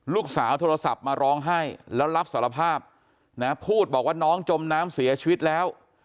ลูกสาวโทรศัพท์มาร้องไห้แล้วรับสารภาพนะพูดบอกว่าน้องจมน้ำเสียชีวิตแล้ว